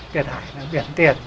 tiền hải là biển tiền